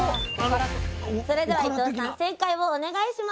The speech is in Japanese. それでは伊藤さん正解をお願いします！